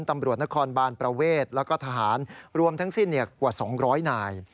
ตำรวจนครบานประเวทแล้วก็ทหารรวมทั้งสิ้นกว่า๒๐๐นาย